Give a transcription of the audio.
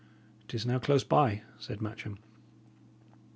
"It is now close by," said Matcham.